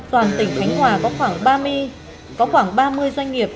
toàn tỉnh khánh hòa có khoảng ba mươi doanh nghiệp